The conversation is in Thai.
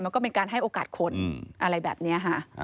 ไม่ได้โอกาสคดอะไรแบบนี้